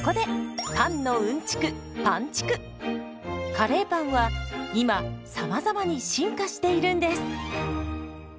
カレーパンは今さまざまに進化しているんです。